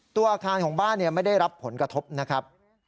ตัวอาคารของบ้านไม่ได้รับผลกระทบนะครับ